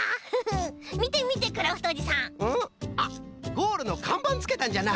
ゴールのかんばんつけたんじゃな。